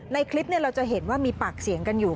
ในคลิปเราจะเห็นว่ามีปากเสียงกันอยู่